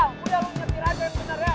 udah lu nyetir aja yang bener ya